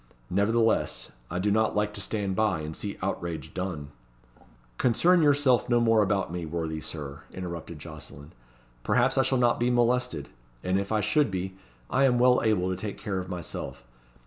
Nevertheless, I do not like to stand by, and see outrage done." "Concern yourself no more about me, worthy Sir," interrupted Jocelyn. "Perhaps I shall not be molested, and if I should be, I am well able to take care of myself.